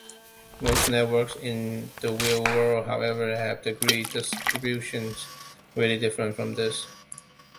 Most networks in the real world, however, have degree distributions very different from this.